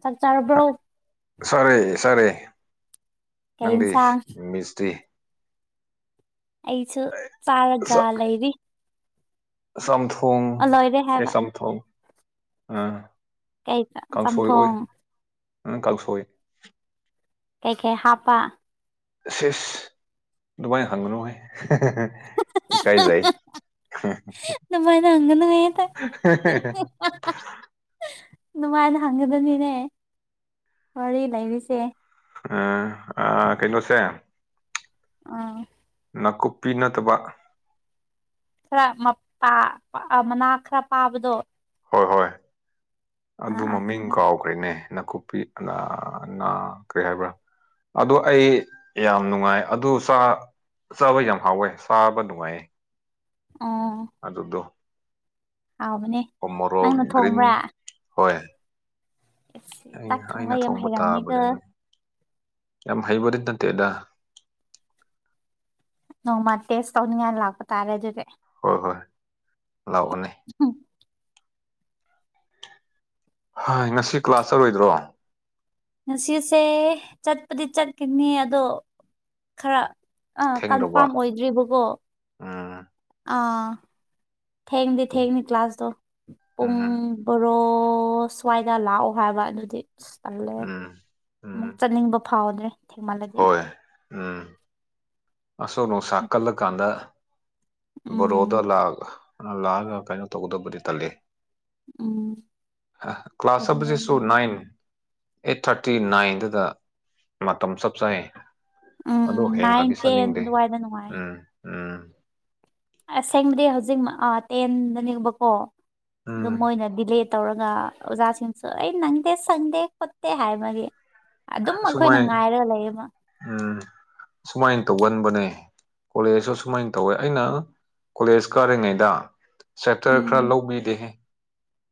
ꯆꯥꯛ ꯆꯥꯔꯕ꯭ꯔꯣ ꯁꯔꯦ ꯁꯔꯦ ꯀꯩ ꯅꯪꯗꯤ ꯌꯦꯟꯁꯥꯡ ꯃꯤꯁꯇꯤ ꯑꯩꯁꯨ ꯆꯥꯔꯒ ꯂꯩꯔꯤ ꯁꯝꯊꯣꯡ ꯂꯣꯏꯔꯦ ꯑꯦ ꯍꯥꯏꯕ ꯆꯝꯊꯣꯡ ꯀꯩ ꯀꯥꯡꯁꯣꯏ ꯑꯣꯏ ꯆꯝꯊꯣꯡ ꯅꯪ ꯀꯥꯡꯁꯣꯏ ꯀꯩ ꯀꯩ ꯍꯥꯞꯄ ꯁꯦꯁ ꯑꯗꯨꯃꯥꯏꯅ ꯍꯪꯉꯅꯨꯍ ꯏꯀꯥꯏꯖꯩ ꯑꯗꯨꯃꯥꯏꯅ ꯑ [unintelligible] ꯅꯨꯡꯉꯥꯏꯅ ꯍꯪꯒꯗꯕꯅꯤꯅꯦ ꯋꯥꯔꯤ ꯂꯩꯔꯤꯁꯦ ꯑ ꯑ ꯀꯩꯅꯣꯁꯦ ꯑꯥ ꯅꯥꯀꯨꯞꯄꯤ ꯅꯠꯇꯕ ꯈꯔ ꯃꯅꯥ ꯈꯔ ꯄꯥꯕꯗꯣ ꯍꯣꯏ ꯍꯣꯏ ꯑꯥ ꯑꯗꯨ ꯑꯥ ꯃꯃꯤꯡ ꯈꯪꯉꯦ ꯀꯥꯎꯒ ꯀꯩꯅꯦ ꯅꯥꯀꯨꯞꯄꯤ ꯑꯅꯥ ꯑꯅꯥ ꯀꯔꯤ ꯍꯥꯏꯕ꯭ꯔꯥ ꯑꯗꯨ ꯑꯩ ꯌꯥꯝ ꯅꯨꯡꯉꯥꯏ ꯑꯗꯨ ꯆꯥ ꯆꯥꯕ ꯌꯥꯝ ꯍꯥꯎꯋꯦ ꯆꯥꯕ ꯅꯨꯡꯉꯥꯏꯌꯦ [unintelligible] ꯑꯗꯨꯗꯣ ꯍꯥꯎꯕꯅꯦ ꯎꯃꯣꯔꯣꯛ ꯅꯪꯅ ꯒ꯭ꯔꯤꯟ ꯊꯣꯡꯕ꯭ꯔꯥ ꯍꯣꯏ ꯆꯥꯛ ꯑꯩꯅ ꯑꯩꯅ ꯌꯥꯝ ꯊꯣꯡꯕ ꯍꯩꯔꯝꯅꯤꯒ ꯇꯥꯕꯅꯤꯅ ꯌꯥꯝ ꯍꯩꯕꯗꯤ ꯅꯠꯇꯦꯗ ꯅꯣꯡꯃ ꯇꯦꯁ ꯇꯧꯅꯤꯡꯉꯥꯏ ꯂꯥꯛꯄ ꯇꯥꯔꯦ ꯑꯗꯨꯗꯤ ꯍꯣꯏ ꯍꯣꯏ ꯂꯥꯛꯑꯣꯅꯦ [unintelligible] ꯍꯥꯏ ꯉꯁꯤ ꯀ꯭ꯂꯥꯁ ꯆꯠꯂꯣꯏꯗ꯭ꯔꯣ ꯉꯁꯤꯁꯦ ꯆꯠꯄꯗꯤ ꯆꯠꯀꯥꯅꯤ ꯑꯗꯣ ꯈꯔ ꯑꯥ ꯊꯦꯡꯗꯧꯕ ꯀꯟꯐꯥꯔꯝ ꯑꯣꯏꯗ꯭ꯔꯤꯕꯀꯣ ꯎꯝ ꯑꯥ ꯊꯦꯡꯗꯤ ꯊꯦꯡꯉꯦ ꯀ꯭ꯂꯥꯁꯇꯣ ꯄꯨꯡ ꯎꯝ ꯕꯣꯔꯣ ꯁ꯭ꯋꯥꯏꯗ ꯂꯥꯛꯑꯣ ꯍꯥꯏꯕ ꯑꯗꯨꯗꯤ ꯑꯁ ꯇꯜꯂꯦ ꯎꯝ ꯎꯝ ꯑꯃꯨꯛ ꯆꯠꯅꯤꯡꯕ ꯐꯥꯎꯗ꯭ꯔꯦ ꯊꯦꯡꯃꯜꯂꯦ ꯍꯣꯏ ꯎꯝ ꯑꯁꯨꯛ ꯅꯨꯡꯁꯥ ꯀꯜꯂꯀꯥꯟꯗ ꯕꯥꯔꯣꯗ ꯎꯝ ꯂꯥꯛ ꯂꯥꯛꯑꯒ ꯀꯩꯅꯣ ꯇꯧꯒꯗꯕꯗꯤ ꯇꯜꯂꯦ ꯎꯝ ꯀ꯭ꯂꯥꯁ ꯑꯗꯨꯅꯦ ꯆꯠꯄꯁꯤꯁꯨ ꯅꯥꯏꯟ ꯑꯩꯠ ꯊꯔꯇꯤ ꯅꯥꯏꯟꯗꯨꯗ ꯃꯇꯝ ꯆꯞ ꯆꯥꯏ ꯎꯝ ꯑꯗꯣ ꯍꯦꯟ ꯅꯥꯏꯟ ꯈ꯭ꯔꯗꯤ ꯇꯦꯟ ꯆꯠꯅꯤꯡꯗꯦ ꯑꯗꯨꯋꯥꯏꯗ ꯅꯨꯡꯉꯥꯏ ꯎꯝ ꯎꯝ ꯑꯁꯦꯡꯕꯗꯤ ꯍꯧꯖꯤꯛ ꯇꯦꯟꯗꯅꯤꯕꯀꯣ ꯎꯝ ꯑꯗꯣ ꯃꯣꯏꯅ ꯗꯤꯂꯦ ꯇꯧꯔꯒ ꯑꯣꯖꯥꯁꯤꯡꯁꯨ ꯑꯩ ꯅꯪꯗꯦ ꯁꯪꯗꯦ ꯈꯣꯠꯇꯦ ꯍꯥꯏꯕꯒꯤ ꯑꯗꯨꯝ ꯑꯩꯈꯣꯏꯅ ꯁꯨꯃꯥꯏ ꯉꯥꯏꯔꯒ ꯂꯩꯌꯦꯕ ꯎꯝ ꯁꯨꯃꯥꯏꯅ ꯇꯧꯒꯟꯕꯅꯦ ꯀꯣꯂꯦꯖꯁꯨ ꯁꯨꯃꯥꯏꯅ ꯇꯧꯋꯦ ꯑꯩꯅ ꯀꯣꯂꯦꯖ ꯀꯥꯔꯤꯉꯩꯗ ꯆꯦꯞꯇꯔ ꯎꯝ ꯈꯔ ꯂꯧꯕꯤꯗꯦꯍꯦ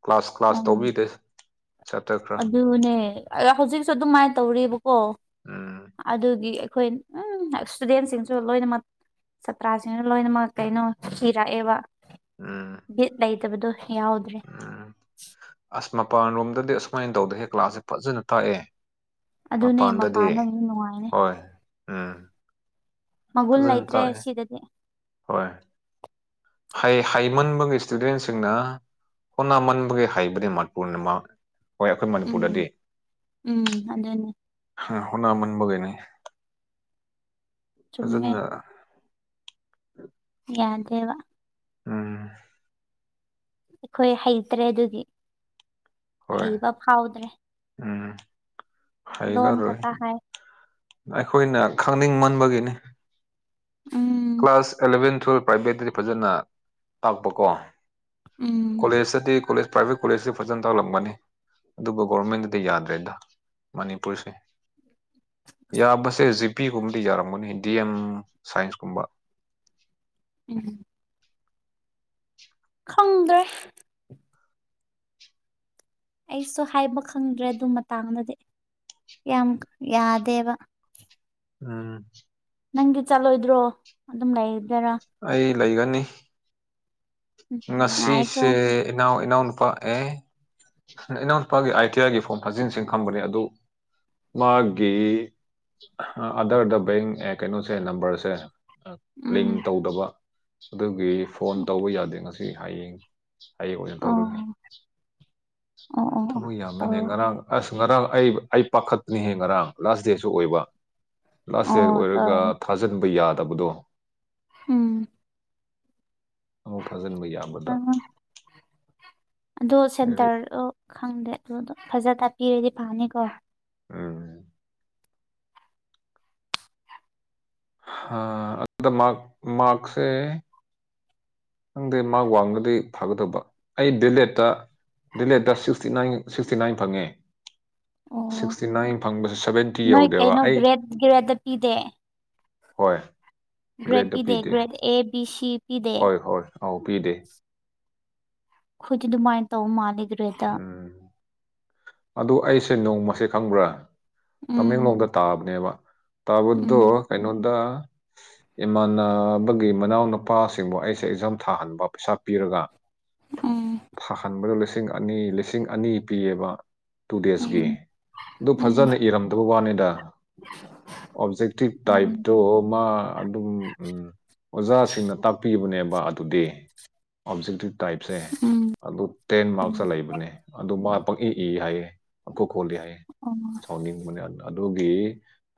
ꯀ꯭ꯂꯥꯁ ꯀ꯭ꯂꯥꯁ ꯎꯝ ꯇꯧꯕꯤꯗꯦ ꯆꯦꯞꯇꯔ ꯈꯔ ꯑꯗꯨꯅꯦ ꯍꯧꯖꯤꯛꯁꯨ ꯑꯗꯨꯃꯥꯏ ꯇꯧꯔꯤꯕꯀꯣ ꯎꯝ ꯑꯗꯨꯒꯤ ꯑꯩꯈꯣꯏ ꯎꯝ ꯁꯇꯨꯗꯦꯟꯁꯤꯡꯁꯨ ꯂꯣꯏꯅꯃꯛ ꯆꯥꯄ꯭ꯔꯥꯁꯤꯁꯨ ꯂꯣꯏꯅꯃꯛ ꯀꯩꯅꯣ ꯊꯤꯔꯛꯑꯦꯕ ꯎꯝ ꯕꯤꯠ ꯂꯩꯇꯕꯗꯣ ꯌꯥꯎꯗ꯭ꯔꯦ ꯎꯝ ꯑꯁ ꯃꯄꯥꯟ ꯔꯣꯝꯗꯗꯤ ꯑꯁꯨꯃꯥꯏꯅ ꯇꯧꯗꯦꯍꯦ ꯀ꯭ꯂꯥꯁꯁꯦ ꯐꯥꯖꯅ ꯇꯥꯛꯑꯦ ꯑꯗꯨꯅꯦ ꯃꯄꯥꯟꯗꯗꯤ ꯅꯨꯡꯉꯥꯏꯅꯤ ꯍꯣꯏ ꯎꯝ ꯃꯒꯨꯜ ꯐꯖꯅ ꯂꯩꯇ꯭ꯔꯦ ꯇꯥꯛꯑꯦ ꯁꯤꯗꯗꯤ꯫ ꯍꯣꯏ ꯍꯩ ꯍꯩꯃꯟꯕꯒꯤ ꯏꯁꯇꯨꯗꯦꯟꯁꯤꯡꯅ ꯍꯣꯠꯅꯃꯟꯕꯒꯤ ꯍꯩꯕꯗꯤ ꯃꯄꯨꯔꯅꯤꯃꯛ [unintelligible] ꯍꯣꯏ ꯑꯩꯈꯣꯏ ꯃꯅꯤꯄꯨꯔꯗꯗꯤ ꯎꯝ ꯎꯝ ꯑꯗꯨꯅꯦ ꯍꯥ ꯍꯣꯠꯅꯃꯟꯕꯒꯤꯅꯤ ꯆꯨꯝꯃꯦ ꯐꯖꯅ ꯌꯥꯗꯦꯕ ꯎꯝ ꯑꯩꯈꯣꯏ ꯍꯩꯇ꯭ꯔꯦ ꯑꯗꯨꯒꯤ ꯍꯣꯏ ꯍꯩꯕ ꯐꯥꯎꯗ꯭ꯔꯦ ꯎꯝ ꯂꯣꯟ ꯍꯩꯂꯔꯣꯏ ꯈꯛꯇ ꯍꯥꯏ ꯑꯩꯈꯣꯏꯅ ꯈꯪꯅꯤꯡꯃꯟꯕꯒꯤꯅꯤ ꯎꯝ ꯀ꯭ꯂꯥꯁ ꯑꯦꯂꯚꯦꯟ ꯇꯨꯋꯜꯕ ꯄ꯭ꯔꯥꯏꯚꯦꯠꯇꯗꯤ ꯐꯖꯅ ꯇꯥꯛꯄꯀꯣ ꯎꯝ ꯀꯣꯂꯦꯖꯇꯗꯤ ꯀꯣꯂꯦꯖ ꯄ꯭ꯔꯥꯏꯚꯦꯠ ꯀꯣꯂꯦꯖꯇ ꯐꯖꯅ ꯇꯥꯛꯂꯝꯒꯅꯤ ꯑꯗꯨꯕꯨ ꯒꯣꯚꯔꯃꯦꯟꯗꯗꯤ ꯌꯥꯗ꯭ꯔꯦꯗ ꯃꯅꯤꯄꯨꯔꯁꯦ ꯌꯥꯕꯁꯦ ꯖꯤꯄꯦꯒꯨꯝꯕꯗꯤ ꯌꯥꯔꯝꯒꯅꯤ ꯗꯤ ꯑꯦꯝ ꯁꯥꯏꯟꯁ ꯀꯨꯝꯕ ꯎꯝ ꯈꯪꯗ꯭ꯔꯦ ꯑꯩꯁꯨ ꯍꯥꯏꯕ ꯈꯪꯗ꯭ꯔꯦ ꯑꯗꯨ ꯃꯇꯥꯡꯗꯗꯤ ꯌꯥꯝ ꯌꯥꯗꯦꯕ ꯎꯝ ꯅꯪꯗꯤ ꯆꯠꯂꯣꯏꯗ꯭ꯔꯣ ꯑꯗꯨꯝ ꯂꯩꯔꯗꯨꯏꯔꯥ ꯑꯩ ꯂꯩꯒꯅꯤ ꯎꯝ ꯅꯨꯡꯉꯥꯏꯀꯣ ꯉꯁꯤꯁꯦ ꯏꯅꯥꯎ ꯏꯅꯥꯎꯅꯨꯄꯥ ꯑꯦ ꯏꯅꯥꯎ ꯅꯨꯄꯥꯒꯤ ꯑꯥꯏ ꯇꯤ ꯑꯥꯏꯒꯤ ꯐꯣꯝ ꯊꯥꯖꯤꯟꯁꯤ ꯈꯪꯕꯅꯦ ꯑꯗꯨ ꯃꯥꯒꯤ ꯑꯥꯗꯔꯗ ꯕꯦꯡ ꯑꯦ ꯀꯩꯅꯣꯁꯦ ꯅꯝꯕꯔꯁꯦ ꯎꯝ ꯂꯤꯡ ꯇꯧꯗꯕ ꯑꯗꯨꯒꯤ ꯐꯣꯟ ꯇꯧꯕ ꯌꯥꯗꯦ ꯉꯁꯤ ꯍꯌꯦꯡ ꯍꯌꯦꯡ ꯑꯣꯏꯅ ꯇꯧꯔꯒꯦ ꯑꯣ ꯑꯣ ꯑꯣ ꯊꯕꯛ ꯑꯣ ꯌꯥꯃꯦꯅꯦ ꯉꯔꯥꯡ ꯑꯁ ꯉꯔꯥꯡ ꯑꯩ ꯑꯩ ꯄꯥꯈꯠꯂꯦꯍꯦ ꯉꯔꯥꯡ ꯂꯥꯁ ꯗꯦꯠꯁꯨ ꯑꯣꯏꯕ ꯂꯥꯁ ꯗꯦꯠ ꯑꯣ ꯑꯣꯏꯔꯒ ꯇꯧꯔꯝꯅꯤ ꯊ ꯐꯥꯖꯟꯕ ꯌꯥꯗꯕꯗꯣ ꯎꯝ ꯑꯃꯨꯛ ꯊꯥꯖꯤꯟꯕ ꯌꯥꯕꯗ ꯑꯗꯣ ꯂꯥꯏꯔꯤꯛ ꯁꯦꯟꯇꯔꯗꯣ ꯈꯪꯗꯦ ꯑꯗꯨꯗꯣ ꯐꯖꯅ ꯄꯤꯔꯗꯤ ꯐꯥꯅꯤꯀꯣ ꯎꯝ ꯍꯥ ꯑꯗꯨꯗꯥ ꯃꯥꯛ ꯃꯥꯛꯁꯦ ꯈꯪꯗꯦ ꯃꯥ ꯋꯥꯡꯒꯗꯤ ꯐꯒꯗꯧꯕ ꯑꯩ ꯗꯤꯂꯦꯠꯇ ꯗꯤꯂꯦ ꯗ ꯁꯤꯛꯁꯇꯤ ꯅꯥꯏꯟ ꯁꯤꯛꯁꯇꯤ ꯅꯥꯏꯟ ꯐꯪꯉꯦ ꯑꯣ ꯁꯤꯛꯁꯇꯤ ꯅꯥꯏꯟ ꯐꯪꯕꯁꯦ ꯁꯕꯦꯟꯇꯤ ꯅꯣꯏ ꯌꯧꯗꯦꯕ ꯀꯩꯅꯣ ꯑꯩ ꯒ꯭ꯔꯦꯗ ꯒ꯭ꯔꯦꯗ ꯄꯤꯗꯦ ꯍꯣꯏ ꯒ꯭ꯔꯦꯠ ꯄꯤꯗꯦ ꯒ꯭ꯔꯦꯠ ꯑꯦ ꯕꯤ ꯁꯤ ꯄꯤꯗꯦ ꯍꯣꯏ ꯍꯣꯏ ꯑꯥꯎ ꯄꯤꯗꯦ ꯈꯨꯗꯤ ꯑꯗꯨꯃꯥꯏꯅ ꯇꯧ ꯃꯥꯜꯂꯤ ꯒ꯭ꯔꯦꯠꯗ ꯎꯝ ꯑꯗꯨ ꯑꯩꯁꯦ ꯅꯣꯡꯃꯁꯦ ꯈꯪꯕ꯭ꯔꯥ ꯎꯝ ꯇꯃꯦꯡꯂꯣꯡꯗ ꯇꯥꯕꯅꯦꯕ ꯎꯝ ꯇꯥꯕꯗꫭ ꯀꯩꯅꯣꯗ ꯏꯃꯥꯟꯅꯕꯒꯤ ꯃꯅꯥꯎꯅꯨꯄꯥꯁꯤꯡꯕꯨ ꯑꯩꯁꯦ ꯑꯦꯛꯖꯥꯝ ꯊꯥꯍꯟꯕ ꯄꯩꯁꯥ ꯄꯤꯔꯒ ꯎꯝ ꯊꯥꯍꯟꯕꯗ ꯂꯤꯁꯤꯡ ꯑꯅꯤ ꯂꯤꯁꯤꯡ ꯑꯅꯤ ꯄꯤꯌꯦꯕ ꯇꯨ ꯗꯦꯖꯀꯤ ꯎꯝ ꯑꯗꯨ ꯎꯝ ꯐꯖꯅ ꯏꯔꯝꯗꯕ ꯋꯥꯅꯤꯗ ꯑꯣꯕꯖꯦꯛꯇꯤꯚ ꯎꯝ ꯇꯥꯏꯞꯇꯣ ꯃꯥ ꯑꯗꯨꯝ ꯑꯣꯖꯥꯁꯤꯡꯅ ꯇꯥꯛꯄꯤꯕꯅꯦꯕ ꯑꯗꯨꯗꯤ ꯑꯣꯕꯖꯦꯛꯇꯤꯚ ꯇꯥꯏꯞꯁꯦ ꯎꯝ ꯑꯗꯨ ꯇꯦꯟ ꯃꯥꯛ ꯂꯩꯕꯅꯦ ꯑꯗꯨ ꯃꯥ ꯄꯪꯏ ꯏ ꯍꯥꯏꯌꯦ ꯄꯪꯈꯨ ꯈꯣꯜꯂꯦ ꯍꯥꯏꯌꯦ ꯑꯣ ꯁꯥꯎꯅꯤꯡ ꯑꯗꯨꯒꯤ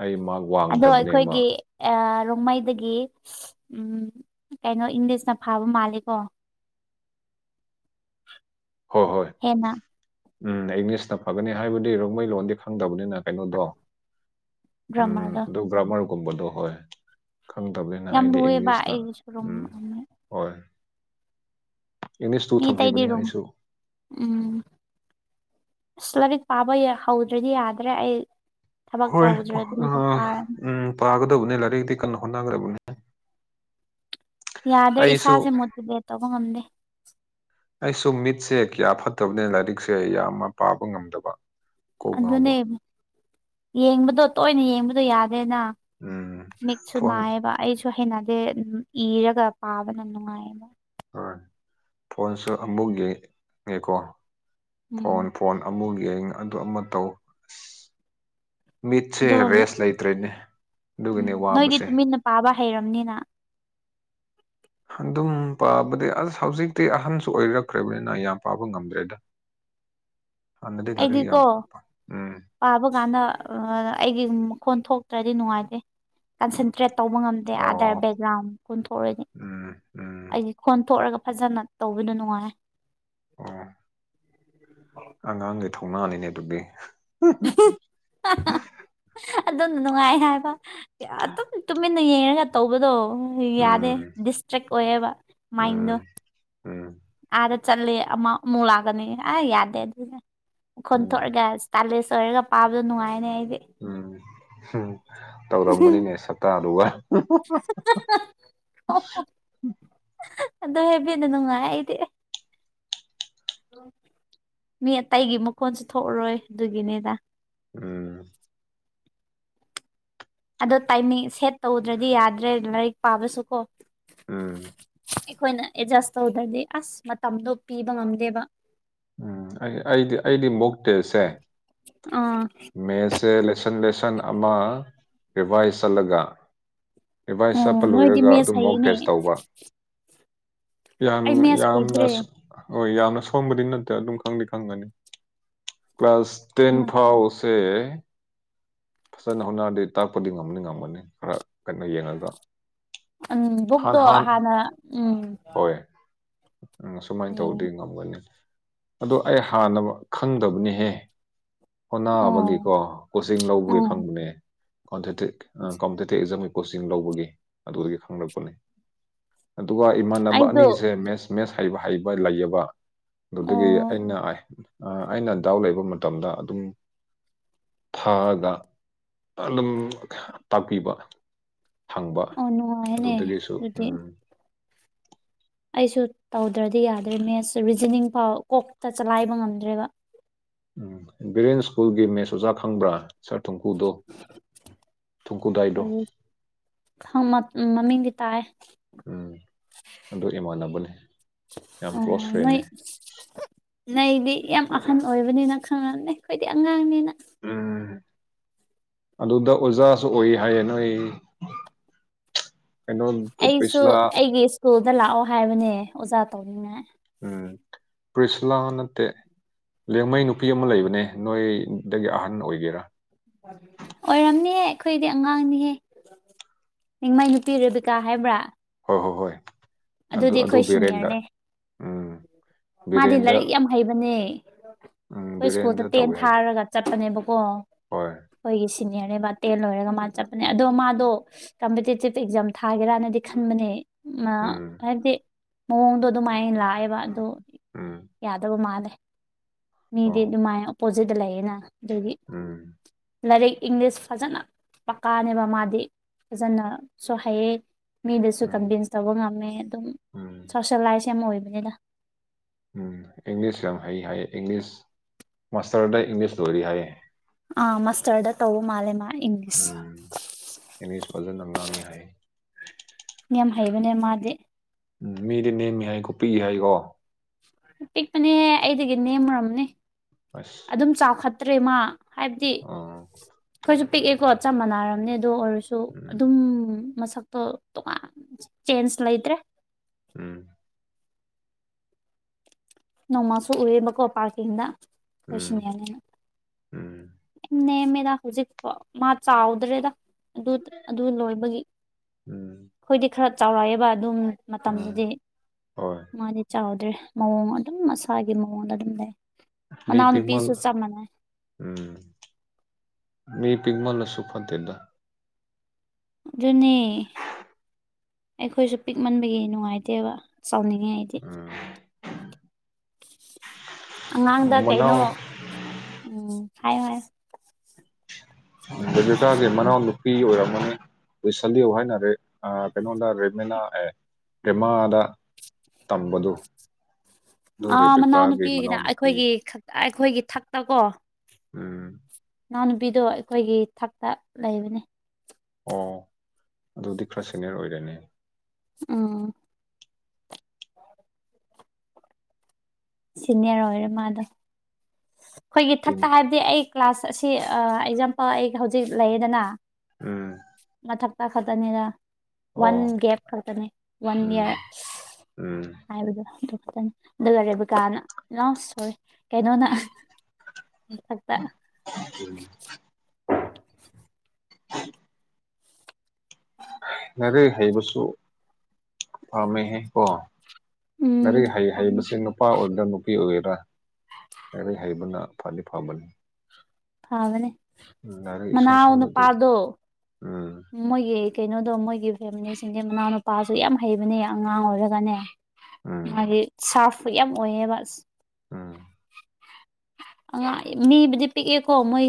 ꯑꯩ ꯃꯥ [unintelligible] ꯑꯗꯣ ꯑꯩꯈꯣꯏꯒꯤ ꯑꯥ ꯔꯣꯡꯃꯩꯗꯒꯤ ꯎꯝ ꯀꯩꯅꯣ ꯏꯪꯂꯤꯁꯅ ꯐꯥꯕ ꯃꯥꯜꯂꯦꯀꯣ ꯍꯣꯏ ꯍꯣꯏ ꯍꯦꯟꯅ ꯎꯝ ꯏꯪꯂꯤꯁꯅ ꯐꯥꯒꯅꯤ ꯍꯥꯏꯕꯗꯤ ꯔꯣꯡꯃꯩ ꯂꯣꯟꯗꯤ ꯈꯪꯗꯕꯅꯤꯅ ꯀꯩꯅꯣꯗꯣ ꯎꯝ ꯒ꯭ꯔꯥꯃꯔꯗꯣ ꯑꯗꯨ ꯕ꯭ꯔꯥꯍꯃꯟ ꯀꯨꯝꯕꯗꯨ ꯍꯣꯏ ꯈꯪꯗꯕꯅꯤꯅ ꯌꯥꯝ ꯑꯩꯗꯤ ꯂꯨꯑꯦꯕ ꯏꯪꯂꯤꯁꯇ ꯑꯩꯒꯤꯁꯨ ꯔꯨꯝ ꯎꯝ ꯍꯣꯏ ꯏꯪꯂꯤꯁꯇꯨ ꯃꯤ ꯑꯇꯩꯗꯤ ꯊꯝꯈꯤꯕꯅꯦ ꯔꯨꯝ ꯑꯩꯁꯨ ꯎꯝ ꯑꯁ ꯂꯥꯏꯔꯤꯛ ꯄꯥꯕ ꯍꯧꯗ꯭ꯔꯗꯤ ꯌꯥꯗ꯭ꯔꯦ ꯑꯩ ꯊꯕꯛ ꯍꯣꯏ ꯇꯧꯗ꯭ꯔꯗꯤꯗ ꯄꯥꯔꯅꯤ ꯎꯝ ꯄꯥꯒꯗꯕꯅꯦ ꯂꯥꯏꯔꯤꯛꯇꯤ ꯀꯟꯅ ꯍꯣꯠꯅꯒꯗꯕꯅꯦ ꯌꯥꯗ꯭ꯔꯦ ꯑꯩꯁꯨ ꯏꯁꯥꯁꯦ ꯃꯣꯇꯤꯚꯦꯠ ꯇꯧꯕ ꯉꯝꯗꯦ ꯑꯩꯁꯨ ꯃꯤꯠꯁꯦ ꯀꯌꯥ ꯐꯠꯇꯕꯅꯦꯅ ꯂꯥꯏꯔꯤꯛꯁꯦ ꯌꯥꯝꯃ ꯄꯥꯕ ꯉꯝꯗꯕ ꯀꯣꯛ ꯑꯗꯨꯅꯦ ꯉꯥꯎꯕ ꯌꯦꯡꯕꯗꯣ ꯇꯣꯏꯅ ꯌꯦꯡꯕꯗꯣ ꯌꯥꯗꯦꯅ ꯎꯝ ꯃꯤꯠꯁꯨ ꯐꯣꯟ ꯅꯥꯏꯌꯦꯕ ꯑꯩꯁꯨ ꯍꯩꯅꯗꯦ ꯏꯔꯒ ꯄꯥꯕꯅ ꯅꯨꯡꯉꯥꯏꯌꯦꯕ ꯍꯣꯏ ꯐꯣꯟꯁꯨ ꯑꯃꯨꯛ ꯌꯦꯡꯀꯣ ꯎꯝ ꯐꯣꯟ ꯐꯣꯟ ꯑꯃꯨꯛ ꯌꯦꯡ ꯑꯗꯨ ꯑꯃ ꯇꯧ ꯑꯁ ꯃꯤꯠꯁꯦ ꯑꯗꯣ ꯔꯦꯁ ꯂꯩꯇ꯭ꯔꯦꯅꯦ ꯎꯝ ꯑꯗꯨꯒꯤꯅꯦ ꯅꯣꯏꯗꯤ ꯋꯥꯕꯁꯦ ꯇꯨꯃꯤꯟꯅ ꯄꯥꯕ ꯍꯩꯔꯝꯅꯦꯅ ꯑꯗꯨꯝ ꯄꯥꯕꯗꯤ ꯑꯁ ꯍꯧꯖꯤꯛꯇꯤ ꯑꯍꯟꯁꯨ ꯑꯣꯏꯔꯛꯈ꯭ꯔꯕꯅꯤꯅ ꯌꯥꯝ ꯄꯥꯕ ꯉꯝꯗ꯭ꯔꯦꯗ ꯍꯥꯟꯅꯗꯤ ꯂꯥꯏꯔꯤꯛ ꯑꯩꯗꯤꯀꯣ ꯌꯥꯝ ꯎꯝ ꯄꯥꯕ ꯀꯥꯟꯗ ꯑꯩꯒꯤ ꯃꯈꯣꯟ ꯊꯣꯛꯇ꯭ꯔꯗꯤ ꯅꯨꯡꯉꯥꯏꯇꯦ ꯀꯟꯁꯦꯟꯇ꯭ꯔꯦꯠ ꯇꯧꯕ ꯉꯝꯗꯦ ꯑꯥꯗꯔ ꯑꯣ ꯕꯦꯛꯒ꯭ꯔꯥꯎꯟ ꯀꯨꯟꯊꯣꯛꯎꯅꯤ ꯎꯝ ꯎꯝ ꯑꯩꯒꯤ ꯈꯣꯟ ꯊꯣꯛꯔꯒ ꯐꯖꯅ ꯇꯧꯕꯗꯨ ꯅꯨꯡꯉꯥꯏꯌꯦ ꯑꯣ ꯑꯉꯥꯡꯒꯤ ꯊꯧꯅꯅꯤꯅꯦ ꯑꯗꯨꯗꯤ [unintelligible] ꯑꯗꯨꯅ ꯅꯨꯡꯉꯥꯏ ꯍꯥꯏꯕ ꯌꯥ ꯑꯗꯨꯝ [unintelligible] ꯇꯨꯃꯤꯟꯅ ꯌꯦꯡꯉꯒ ꯇꯧꯕꯗꯣ ꯌꯥꯗꯦ ꯎꯝ ꯗꯤꯁꯇ꯭ꯔꯦꯛ ꯑꯣꯏꯌꯦꯕ ꯃꯥꯏꯟꯗꯣ ꯎꯝ ꯎꯝ ꯑꯗ ꯆꯠꯂꯤ ꯑꯃ ꯑꯃꯨꯛ ꯂꯥꯛꯑꯀꯅꯤ ꯑ ꯌꯥꯗꯦ ꯑꯗꯨꯗꯦ__ ꯎꯝ ꯈꯣꯟꯊꯣꯛꯑꯒ ꯏꯁꯇꯥꯜꯏꯂꯤꯁ ꯑꯣꯏꯔꯒ ꯄꯥꯕꯗꯣ ꯅꯨꯡꯉꯥꯏꯅꯦ ꯑꯩꯗꯤ ꯎꯝ ꯎꯝ ꯇꯧꯔꯝꯒꯅꯤꯅꯦ ꯁꯛꯇꯥꯗꯨꯒ [unintelligible] ꯑꯗꯣ ꯑꯦꯐꯕꯤꯅ ꯅꯨꯡꯉꯥꯏ ꯑꯩꯗꯤ ꯃꯤ ꯑꯇꯩꯒꯤ ꯃꯈꯣꯟꯁꯨ ꯊꯣꯛꯎꯔꯣꯏ ꯑꯗꯨꯒꯤꯅꯦꯗ ꯎꯝ ꯑꯗꯣ ꯇꯥꯏꯃꯤꯡ ꯁꯦꯠ ꯇꯧꯗ꯭ꯔꯗꯤ ꯌꯥꯗ꯭ꯔꯦ ꯂꯥꯏꯔꯤꯛ ꯄꯥꯕꯁꯨ ꯀꯣ ꯎꯝ ꯑꯩꯈꯣꯏꯅ ꯑꯦꯗꯖꯁ ꯇꯧꯗ꯭ꯔꯗꯤ ꯑꯁ ꯃꯇꯝꯗꯣ ꯄꯤꯕ ꯉꯝꯗꯦꯕ ꯎꯝ ꯑꯩ ꯑꯩꯗꯤ ꯑꯩꯗꯤ ꯃꯣꯛꯇꯦꯁꯦ ꯑꯥ ꯃꯦꯁꯁꯦ ꯂꯦꯁꯟ ꯂꯦꯁꯟ ꯑꯃ ꯔꯤꯚꯥꯏꯁ ꯆꯠꯂꯒ ꯔꯤꯚꯥꯏꯁ ꯆꯠꯄ ꯑꯣ ꯅꯣꯏꯗꯤ ꯂꯣꯏꯔꯒ ꯃꯦꯁ ꯑꯗꯨꯝ ꯃꯣꯛ ꯍꯩꯅꯦ ꯇꯦꯁ ꯇꯧꯕ ꯌꯥꯝ ꯑꯩ ꯃꯦꯠꯁ ꯍꯩꯇ꯭ꯔꯦ ꯌꯥꯝꯅ ꯍꯣꯏ ꯌꯥꯝꯅ ꯁꯣꯟꯕꯗꯤ ꯅꯠꯇꯦ ꯑꯗꯨꯝ ꯈꯪꯗꯤ ꯈꯪꯒꯅꯤ ꯀ꯭ꯂꯥꯁ ꯇꯦꯟ ꯎꯝ ꯐꯥꯎꯁ ꯑꯦ ꯐꯖꯅ ꯍꯣꯠꯅꯔꯗꯤ ꯇꯥꯛꯄꯗꯤ ꯉꯝꯅꯤ ꯉꯝꯒꯅꯤ ꯈꯔ ꯀꯩꯅꯣ ꯌꯦꯡꯉꯒ ꯎꯝ ꯍꯥꯟ ꯕꯨꯛꯇꯣ ꯍꯥꯟ ꯍꯥꯟꯅ ꯎꯝ ꯍꯣꯏ ꯎꯝ ꯁꯨꯃꯥꯏꯅ ꯇꯧꯔꯗꯤ ꯌꯦꯡꯉꯦ ꯉꯝꯒꯅꯤ ꯑꯗꯣ ꯑꯩ ꯍꯥꯟꯅ ꯈꯪꯗꯕꯅꯦꯍꯦ ꯑꯣ ꯍꯣꯅꯥꯕꯒꯤꯀꯣ ꯀꯣꯆꯤꯡ ꯂꯧꯕꯒꯤ ꯑꯣ ꯈꯪꯕꯅꯦ ꯀꯥꯎꯟꯇꯦꯇꯤꯛ ꯀꯥꯎꯟꯇꯦꯇꯤꯚ ꯑꯦꯛꯖꯝꯒꯤ ꯀꯣꯆꯤꯡ ꯂꯧꯕꯒꯤ ꯑꯗꯨꯗꯒꯤ ꯈꯪꯂꯛꯄꯅꯤ ꯑꯗꯨꯒ ꯏꯃꯥꯟꯅꯕ ꯑꯩꯗꯣ ꯑꯅꯤꯁꯦ ꯃꯦꯁ ꯃꯦꯁ ꯍꯩꯕ ꯍꯩꯕ ꯂꯩꯌꯦꯕ ꯑꯗꯨꯗꯒꯤ ꯑꯣ ꯑꯩꯅ ꯑꯥꯏ ꯑꯩꯅ ꯗꯥꯎꯠ ꯂꯩꯕ ꯃꯇꯝꯗ ꯑꯗꯨꯝ ꯊꯛꯑꯒ ꯑꯗꯨꯝ ꯇꯥꯛꯄꯤꯕ ꯍꯪꯕ ꯑꯣ ꯅꯨꯡꯉꯥꯏꯅꯦ ꯑꯗꯨꯗꯒꯤꯁꯨ ꯑꯗꯨꯗꯤ ꯎꯝ ꯑꯩꯁꯨ ꯇꯧꯗ꯭ꯔꯗꯤ ꯌꯥꯗ꯭ꯔꯦ ꯃꯦꯁꯁꯦ ꯔꯤꯖꯅꯤꯡ ꯐꯥꯎ ꯀꯣꯛꯇ ꯆꯂꯥꯏꯕ ꯉꯝꯗ꯭ꯔꯦꯕ ꯎꯝ ꯕ꯭ꯔꯤꯂꯦꯟꯁ ꯁ꯭ꯀꯨꯜꯒꯤ ꯃꯦꯁ ꯑꯣꯖꯥ ꯈꯪꯕ꯭ꯔꯥ ꯁꯥꯔ ꯊꯨꯡꯀꯨꯗꯣ ꯊꯨꯡꯀꯨꯗꯥꯏꯗꯣ ꯃꯃꯤꯡꯗꯤ ꯇꯥꯌꯦ ꯎꯝ ꯑꯗꯨ ꯏꯃꯥꯟꯅꯕꯅꯤ ꯌꯥꯝ ꯀ꯭ꯂꯣꯁ ꯐ꯭ꯔꯦꯟꯅꯤ ꯅꯩꯗꯤ ꯌꯥꯝ ꯑꯍꯟ ꯑꯣꯏꯕꯅꯤꯅ ꯈꯪꯉꯝꯅꯤ ꯑꯩꯈꯣꯏꯗꯤ ꯑꯉꯥꯡꯅꯤꯅ ꯎꯝ ꯑꯗꯨꯗ ꯑꯣꯖꯥꯁꯨ ꯑꯣꯏ ꯍꯥꯏꯌꯦ ꯅꯣꯏ ꯀꯩꯅꯣ ꯑꯩꯁꯨ ꯇꯨꯄꯤꯁꯨꯂ ꯑꯩꯒꯤ ꯁ꯭ꯀꯨꯜꯗ ꯂꯥꯛꯑꯣ ꯍꯥꯏꯕꯅꯦ ꯑꯣꯖꯥ ꯇꯧꯅꯤꯅ ꯎꯝ ꯄ꯭ꯔꯤꯁꯤꯂꯥ ꯅꯠꯇꯦ ꯂꯤꯌꯥꯡꯃꯩ ꯅꯨꯄꯤ ꯑꯃ ꯂꯩꯕꯅꯦ ꯅꯣꯏꯗꯒꯤ ꯑꯍꯟ ꯑꯣꯏꯒꯦꯔꯥ ꯑꯣꯏꯔꯝꯅꯤꯍꯦ ꯑꯩꯈꯣꯏꯗꯤ ꯑꯉꯥꯡꯅꯤꯍꯦ ꯔꯤꯡꯃꯩ ꯅꯨꯄꯤ ꯔꯦꯕꯤꯀꯥ ꯍꯥꯏꯕ꯭ꯔꯥ ꯍꯣ ꯍꯣ ꯍꯣꯏ ꯑꯗꯨ ꯑꯗꯨꯗꯤ ꯑꯗꯨ ꯑꯩꯈꯣꯏ ꯕꯤꯔꯦꯟꯗ ꯁꯤꯅꯤꯌꯔꯅꯦ ꯎꯝ ꯃꯥꯗꯤ ꯕꯤꯔꯦꯟꯗ ꯂꯥꯏꯔꯤꯛ ꯌꯥꯝ ꯍꯩꯕꯅꯦ ꯎꯝ ꯑꯩꯈꯣꯏ ꯁ꯭ꯀꯨꯜꯗ ꯕꯤꯔꯦꯟꯗ ꯇꯦꯟ ꯇꯧꯋꯦ ꯍꯥꯏ ꯊꯥꯔꯒ ꯆꯠꯄꯅꯦꯕꯀꯣ ꯍꯣꯏ ꯑꯩꯈꯣꯏꯒꯤ ꯁꯤꯅꯤꯌꯔ ꯅꯦꯕ ꯇꯦꯟ ꯂꯣꯏꯔꯒ ꯃꯥ ꯆꯠꯄꯅꯦ ꯑꯗꯣ ꯃꯥꯗꯣ ꯀꯝꯄꯤꯇꯤꯇꯤꯞ ꯑꯦꯛꯖꯥꯝ ꯊꯥꯒꯦꯔꯥꯅꯗꯤ ꯈꯟꯕꯅꯦ ꯃꯥ ꯎꯝ ꯍꯥꯏꯕꯗꯤ ꯃꯑꯣꯡꯗꯣ ꯑꯗꯨꯃꯥꯏꯅ ꯂꯥꯛꯑꯦꯕ ꯑꯗꯣ ꯎꯝ ꯌꯥꯗꯕ ꯃꯥꯜꯂꯦ ꯃꯤꯗꯤ ꯑꯣ ꯑꯗꯨꯃꯥꯏꯅ ꯑꯣꯄꯣꯖꯤꯠꯇ ꯂꯩꯌꯦꯅ ꯑꯗꯨꯒꯤ ꯎꯝ ꯂꯥꯏꯔꯤꯛ ꯏꯪꯂꯤꯁ ꯐꯖꯅ ꯄꯛꯀꯥꯅꯦꯕ ꯃꯥꯗꯤ ꯐꯥꯖꯅ ꯁꯣ ꯍꯩꯌꯦ ꯃꯤꯗꯁꯨ ꯎꯝ ꯀꯟꯚꯤꯟꯁ ꯇꯧꯕ ꯉꯝꯃꯦ ꯑꯗꯨꯝ ꯎꯝ ꯁꯣꯁꯦꯂꯥꯏꯁ ꯌꯥꯝ ꯑꯣꯏꯕꯅꯦꯗ ꯎꯝ ꯏꯪꯂꯤꯁ ꯌꯥꯝ ꯍꯩ ꯍꯥꯏꯌꯦ ꯏꯪꯂꯤꯁ ꯃꯥꯁꯇꯔꯗ ꯏꯪꯂꯤꯁ ꯂꯣꯏꯔꯤ ꯍꯥꯏꯌꯦ ꯑ ꯃꯁꯇꯔꯗ ꯇꯧꯕ ꯃꯥꯜꯂꯦ ꯃꯥ ꯏꯪꯂꯤꯁ ꯎꯝ ꯏꯪꯂꯤꯁ ꯐꯖꯅ ꯉꯥꯡꯉꯦ ꯍꯥꯏꯌꯦ ꯌꯥꯝ ꯍꯩꯕꯅꯦ ꯃꯥꯗꯤ ꯎꯝ ꯃꯤꯗꯤ ꯅꯦꯝꯃꯤ ꯍꯥꯏꯀꯣ ꯄꯤꯛꯏ ꯍꯥꯏꯀꯣ ꯄꯤꯛꯄꯅꯦ ꯑꯩꯗꯒꯤ ꯅꯦꯝꯔꯝꯅꯤ ꯑꯁ ꯑꯗꯨꯝ ꯆꯥꯎꯈꯠꯇ꯭ꯔꯦ ꯃꯥ ꯍꯥꯏꯕꯗꯤ ꯑꯥ ꯑꯩꯈꯣꯏꯁꯨ ꯄꯤꯛꯑꯦꯀꯣ ꯆꯞ ꯃꯥꯟꯅꯔꯝꯅꯤ ꯑꯗꯣ ꯑꯣꯏꯔꯁꯨ ꯗꯣ ꯎꯝ ꯑꯗꯨꯝ ꯃꯁꯛꯇꯣ ꯇꯣꯉꯥꯟ ꯆꯦꯟꯖ ꯂꯩꯇ꯭ꯔꯦ ꯎꯝ ꯅꯣꯡꯃꯁꯨ ꯎꯑꯦꯕꯀꯣ ꯄꯥꯔꯀꯤꯡꯗ ꯈꯣꯏ ꯎꯝ ꯁꯤꯅꯤꯌꯔꯅꯦꯅ ꯎꯝ ꯅꯦꯝꯃꯦꯗ ꯍꯧꯖꯤꯛꯐꯥꯎ ꯃꯥ ꯆꯥꯎꯗ꯭ꯔꯦꯗ ꯑꯗꯨ ꯑꯗꯨ ꯂꯣꯏꯕꯒꯤ ꯎꯝ ꯑꯩꯈꯣꯏꯗꯤ ꯈꯔ ꯆꯥꯎꯔꯛꯑꯦꯕ ꯑꯗꯨꯝ ꯎꯝ ꯃꯇꯝꯗꯨꯗꯤ ꯍꯣꯏ ꯃꯥꯗꯤ ꯆꯥꯎꯗ꯭ꯔꯦ ꯃꯑꯣꯡ ꯑꯗꯨꯝ ꯃꯁꯥꯒꯤ ꯃꯑꯣꯡꯗ ꯑꯗꯨꯝ ꯂꯩ ꯃꯤ ꯄꯤꯛꯃꯟ ꯃꯅꯥꯎꯅꯨꯄꯤꯁꯨ ꯆꯞ ꯃꯥꯟꯅꯩ ꯎꯝ ꯃꯤ ꯄꯤꯛꯃꯜ ꯂꯁꯨ ꯐꯠꯇꯦꯗꯥ ꯑꯗꯨꯅꯦ ꯑꯩꯈꯣꯏꯁꯨ ꯄꯤꯛꯃꯟꯕꯒꯤ ꯅꯨꯡꯉꯥꯏꯇꯦꯕ ꯆꯥꯎꯅꯤꯡꯉꯦ ꯑꯩꯗꯤ ꯎꯝ ꯑꯣ, ꯑꯉꯥꯡꯗ ꯀꯩꯅꯣ ꯃꯅꯥꯎ ꯎꯝ ꯍꯥꯏꯌꯣ ꯍꯥꯏꯌꯣ ꯔꯦꯕꯤꯀꯥꯒꯤ ꯃꯅꯥꯎ ꯅꯨꯄꯤ ꯑꯣꯏꯔꯝ ꯃꯅꯤ ꯂꯦꯁꯂꯤꯌꯣ ꯍꯥꯏꯅꯔꯦ ꯑꯥ ꯀꯩꯅꯣꯗ ꯔꯦꯞꯅꯤꯅ ꯑꯦ ꯀꯦꯃꯥꯗ ꯇꯝꯕꯗꯨ ꯑꯗꯨ ꯑꯥ ꯔꯦꯕꯤꯀꯥꯒꯤ ꯃꯅꯥꯎꯅꯨꯄꯤꯒꯤꯅ ꯃꯅꯥꯎꯅꯨꯄꯤ ꯑꯩꯈꯣꯏꯒꯤ ꯈꯛꯇ ꯑꯩꯈꯣꯏꯒꯤ ꯊꯛꯇ ꯀꯣ ꯎꯝ ꯏꯅꯥꯎꯅꯨꯄꯤꯗꯣ ꯑꯩꯈꯣꯏꯒꯤ ꯊꯛꯇ ꯂꯩꯕꯅꯤ ꯑꯣ ꯑꯗꯨꯗꯤ ꯈ꯭ꯔꯥ ꯁꯦꯅꯤꯌꯔ ꯑꯣꯏꯔꯦꯅꯦ ꯎꯝ ꯁꯤꯅꯤꯌꯔ ꯑꯣꯏꯔꯦ ꯃꯥꯗꯣ ꯑꯈꯣꯏꯒꯤ ꯇꯤꯡ ꯊꯛꯇ ꯍꯥꯏꯕꯗꯤ ꯑꯩ ꯀ꯭ꯂꯥꯁ ꯑꯁꯤ ꯑ ꯑꯦꯛꯖꯥꯝꯄꯜ ꯑꯩ ꯍꯧꯖꯤꯛ ꯂꯩꯌꯦꯗꯅ ꯎꯝ ꯃꯊꯛꯇ ꯈꯛꯇꯅꯤꯗ ꯋꯥꯟ ꯑꯣ ꯒꯦꯞ ꯈꯛꯇꯅꯦ ꯋꯥꯟ ꯏꯌꯥꯔ ꯎꯝ ꯎꯝ ꯍꯥꯏꯕꯗꯣ ꯑꯗꯨ ꯈꯛꯇꯅꯤ ꯑꯗꯨ ꯔꯦꯕꯤꯀꯥꯅ ꯂꯥꯏ ꯑꯣꯏ ꯀꯩꯅꯣꯅ ꯏꯊꯛꯇ [inaudible] [inaudible] ꯂꯥꯏꯔꯤꯛ ꯍꯩꯕꯁꯨ ꯄꯥꯝꯃꯦꯍꯦ ꯀꯣ ꯎꯝ ꯂꯥꯏꯔꯤꯛ ꯍꯩ ꯍꯩꯕꯁꯤꯡ ꯅꯨꯄꯥ ꯑꯣꯏꯒ꯭ꯔꯥ ꯅꯨꯄꯤ ꯑꯣꯏꯒꯦꯔꯥ ꯂꯥꯏꯔꯤꯛ ꯍꯩꯕꯅ ꯐꯗꯤ ꯐꯕꯅꯤ꯫ ꯐꯕꯅꯦ ꯅꯥꯏꯅ ꯏꯁꯣꯜ ꯃꯅꯥꯎ ꯁꯣꯂꯗꯤ ꯅꯨꯄꯥꯗꯣ ꯎꯝ ꯃꯣꯏꯒꯤ ꯀꯩꯅꯣꯗꯣ ꯃꯣꯏꯒꯤ ꯐꯦꯃꯤꯂꯤꯁꯤꯡ ꯃꯅꯥꯎꯅꯨꯄꯥꯁꯨ ꯌꯥꯝ ꯍꯩꯕꯅꯦ ꯑꯉꯥꯡ ꯑꯣꯏꯔꯒꯅꯦ ꯎꯝ ꯃꯥꯒꯤ ꯁꯥꯔꯐ ꯌꯥꯝ ꯑꯣꯏꯌꯦꯕ ꯎꯝ ꯑꯉꯥ ꯃꯤꯕꯨꯗꯤ ꯄꯤꯛꯑꯦꯀꯣ ꯃꯣꯏ